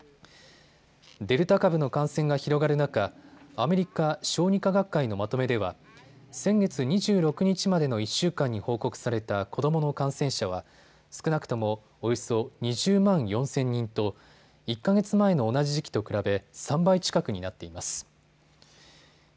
デルタ株の感染が広がる中、アメリカ小児科学会のまとめでは先月２６日までの１週間に報告された子どもの感染者は少なくともおよそ２０万４０００人と１か月前の同じ時期と比べ、３倍近くになっています。